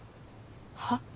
はっ？